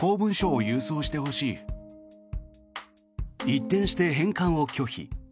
一転して返還を拒否。